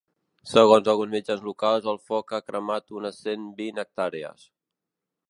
Segons alguns mitjans locals el foc ha cremat unes cent vint hectàrees.